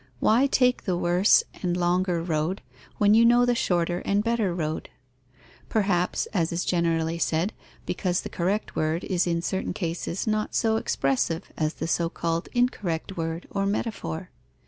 Why take the worse and longer road when you know the shorter and better road? Perhaps, as is generally said, because the correct word is in certain cases not so expressive as the so called incorrect word or metaphor?